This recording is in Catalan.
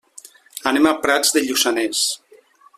Anem a Prats de Lluçanès.